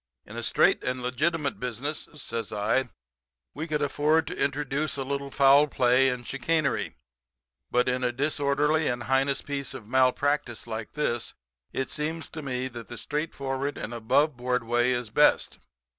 In a straight and legitimate business,' says I, 'we could afford to introduce a little foul play and chicanery, but in a disorderly and heinous piece of malpractice like this it seems to me that the straightforward and aboveboard way is the best.